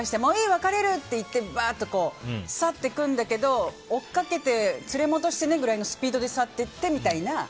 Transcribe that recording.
別れるって言ってバーッと去っていくんだけど追いかけて連れ戻してねくらいのスピードで去っていってみたいな。